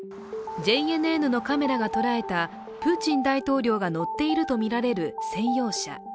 ＪＮＮのカメラが捉えたプーチン大統領が乗っているとみられる専用車。